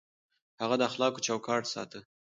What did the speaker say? هغه د اخلاقو چوکاټ ساته.